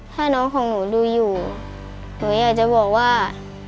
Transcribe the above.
ถ้าน้องของหนูดูอยู่หนูอยากจะบอกว่า